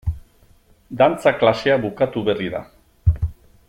Dantza klasea bukatu berri da.